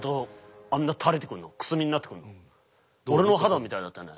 俺の肌みたいだったよね。